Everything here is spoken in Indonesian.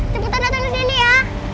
ciputan datang ke sini ya